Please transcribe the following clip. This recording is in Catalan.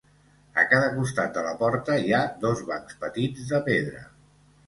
A cada costat de la porta hi ha dos bancs petits de pedra.